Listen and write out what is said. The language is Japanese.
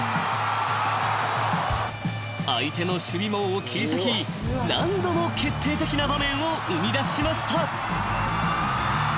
［相手の守備網を切り裂き何度も決定的な場面を生みだしました］